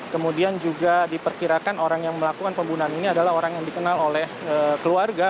kemudian juga diperkirakan orang yang melakukan pembunuhan ini adalah orang yang dikenal oleh keluarga